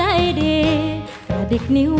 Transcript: ทั้งในเรื่องของการทำงานเคยทำนานแล้วเกิดปัญหาน้อย